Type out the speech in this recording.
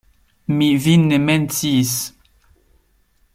Mi vin ne menciis.